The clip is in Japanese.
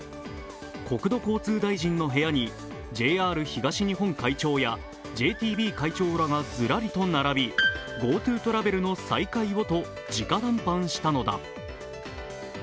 国土交通大臣の部屋にＪＲ東日本会長やＪＴＢ会長らがずらりと並びＧｏＴｏトラベルの再開をとじか談判したのだ。